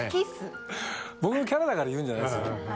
僕のキャラだから言うんじゃないですよ。